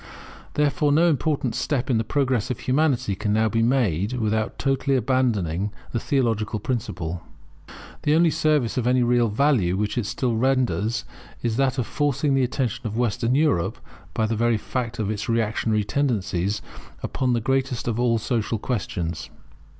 Therefore no important step in the progress of Humanity can now be made without totally abandoning the theological principle. The only service of any real value which it still renders, is that of forcing the attention of Western Europe, by the very fact of its reactionary tendencies, upon the greatest of all social questions.